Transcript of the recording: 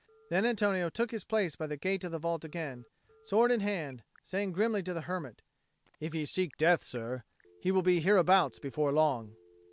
Then Antonio took his place by the gate of the vault again, sword in hand, saying grimly to the hermit, "If you seek Death, sir, he will be hereabouts before long."